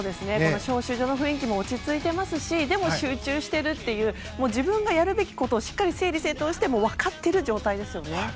招集所の雰囲気も落ち着いて見えますしでも集中しているという自分がやるべきことを整理整頓してもうわかってる状態ですよね。